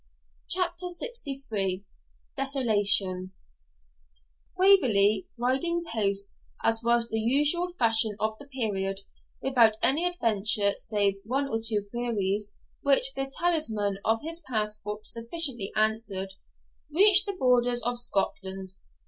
CHAPTER LXIII DESOLATION Waverley riding post, as was the usual fashion of the period, without any adventure save one or two queries, which the talisman of his passport sufficiently answered, reached the borders of Scotland.